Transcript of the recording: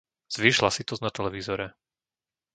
Zvýš hlasitosť na televízore.